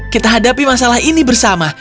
kita hadapi masalah ini bersama